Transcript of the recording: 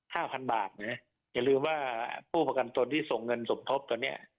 ห้าพันบาทนะอย่าลืมว่าผู้ประกันตนที่ส่งเงินสมทบตอนเนี้ย